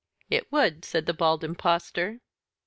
"It would," said the Bald Impostor.